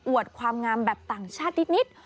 ความงามแบบต่างชาตินิด